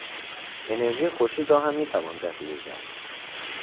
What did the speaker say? انرژی خورشید را هم میتوان ذخیره کرد.